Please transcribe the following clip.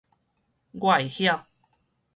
我會曉